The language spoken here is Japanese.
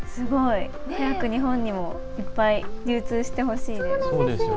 早く日本にもいっぱい流通してほしいです。